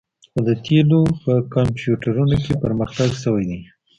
خو د تیلو په کمپیوټرونو کې پرمختګ شوی دی